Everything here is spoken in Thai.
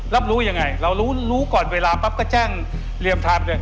รับรู้ยังไงเรารู้ก่อนเวลาปั๊บก็แจ้งเรียมทะบ